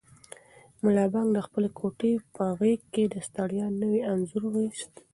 ملا بانګ د خپلې کوټې په غېږ کې د ستړیا نوی انځور وایست.